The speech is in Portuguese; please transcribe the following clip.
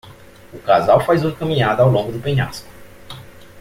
O casal faz uma caminhada ao longo do penhasco.